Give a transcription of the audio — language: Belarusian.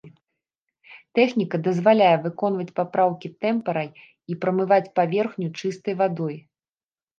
Тэхніка дазваляе выконваць папраўкі тэмперай і прамываць паверхню чыстай вадой.